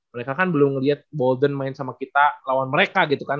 mereka kan belum lihat bolden main sama kita lawan mereka gitu kan